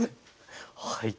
はい。